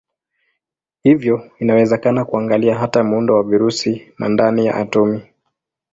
Hivyo inawezekana kuangalia hata muundo wa virusi na ndani ya atomi.